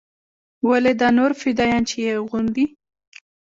ولې دا نور فدايان چې يې اغوندي.